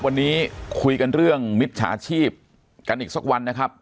วันนี้คุยกันเรื่องมิจฉาชีพกันอีกสักวันนะครับ